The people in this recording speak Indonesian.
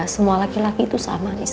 semua laki laki itu sama nisa